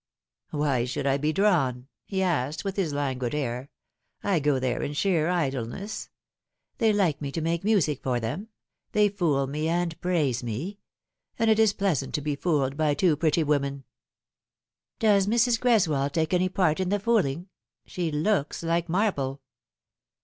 " Why should I be drawn ?" he asked, with his languid air. " I go there in sheer idleness. They like me to make music for them ; they fool me and praise me ; and it is pleasant to be fooled by two pretty women." " Does Mrs. Greswold take any part in the fooling ? She looks like marble."